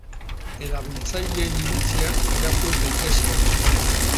Erabiltzaileen iritziak irakur daitezke.